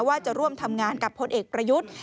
ว่าจะร่วมทำงานกับพลเอกประยุทธ์